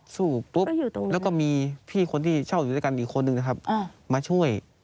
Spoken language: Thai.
สู้ปุ๊บแล้วก็มีพี่คนที่เช่าอยู่ด้วยกันอีกคนนึงนะครับมาช่วย